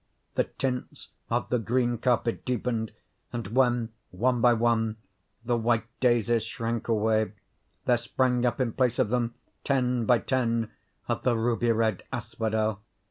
The tints of the green carpet deepened; and when, one by one, the white daisies shrank away, there sprang up in place of them, ten by ten of the ruby red asphodel.